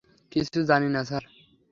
কিছু জানি না, স্যার।